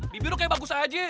bibir lo kayak bagus aja